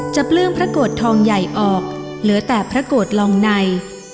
เปลื้องพระโกรธทองใหญ่ออกเหลือแต่พระโกรธลองใน